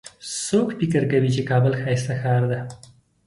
څوک فکر کوي چې کابل ښایسته ښار ده